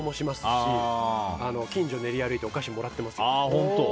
し近所練り歩いてお菓子もらってますよ。